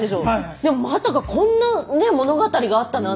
でもまさかこんな物語があったなんて。